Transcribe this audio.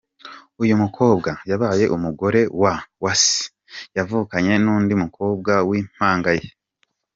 Uyu mukobwa yabaye umugore wa se yavukanye n’ undi mukobwa w’ impanga ye.